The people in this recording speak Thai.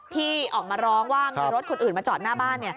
ที่ออกมาร้องว่ามีรถคนอื่นมาจอดหน้าบ้าน